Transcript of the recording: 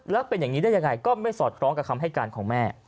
แล้วเป็นอย่างนี้ได้ยังไงก็ไม่สอดคล้องกับคำให้การของแม่